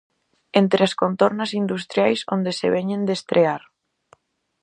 Entre as contornas industriais onde se veñen de estrear.